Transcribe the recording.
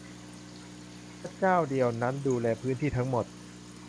เพราะเจ้าเดียวนั่นดูแลพื้นที่ทั้งหมด